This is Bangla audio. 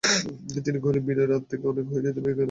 তিনি কহিলেন, বিনয়, রাত অনেক হয়েছে, তুমি আজ এইখানেই শুয়ো।